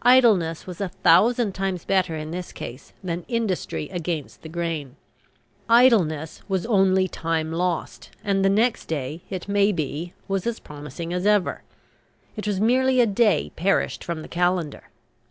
Idleness was a thousand times better in this case than industry against the grain. Idleness was only time lost; and the next day, it may be, was as promising as ever. It was merely a day perished from the calendar.